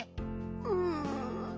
うん。